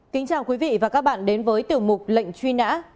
kính chào quý vị và các bạn đến với tiểu mục lệnh truy nã